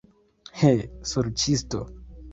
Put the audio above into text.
He, sorĉisto!